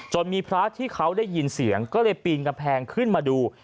มีพระที่เขาได้ยินเสียงก็เลยปีนกำแพงขึ้นมาดู